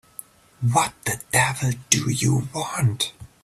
What the devil do you want?